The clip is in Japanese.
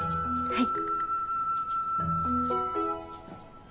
はい。